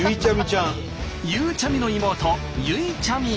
ゆうちゃみの妹ゆいちゃみ。